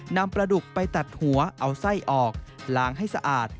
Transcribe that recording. นำปลาดุกไปตัดหัวเอาไส้ออกล้างให้สะอาด